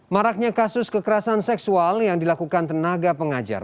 maraknya kasus kekerasan seksual yang dilakukan tenaga pengajar